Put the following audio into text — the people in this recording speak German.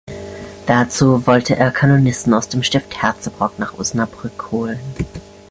Dazu wollte er Kanonissen aus dem Stift Herzebrock nach Osnabrück holen.